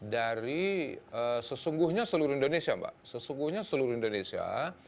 dari sesungguhnya seluruh indonesia mbak sesungguhnya seluruh indonesia